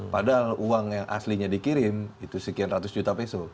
padahal uang yang aslinya dikirim itu sekian ratus juta peso